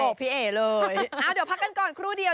พี่เอ๋เลยเดี๋ยวพักกันก่อนครู่เดียว